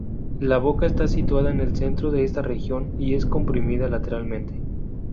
La boca está situada en el centro de esta región y está comprimida lateralmente.